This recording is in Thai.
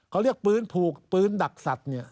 เขาเรียกปืนผูกปืนดักสัตว์เนี่ย